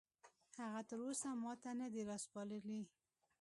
هغه تراوسه ماته نه دي راسپارلي